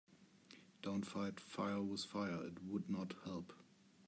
Don‘t fight fire with fire, it would not help.